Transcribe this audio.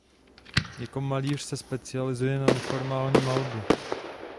Jako malíř se specializuje na neformální malbu.